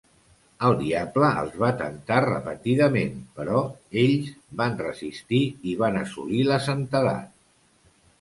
El diable els va temptar repetidament, però ells van resistir i van assolir la santedat.